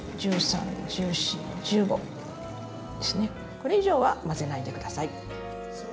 これ以上は混ぜないで下さい。